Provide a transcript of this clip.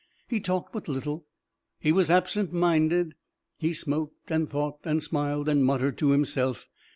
He talked but little, he was absent minded, he smoked and thought and smiled and muttered to himself.